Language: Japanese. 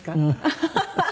ハハハハ。